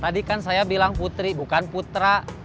tadi kan saya bilang putri bukan putra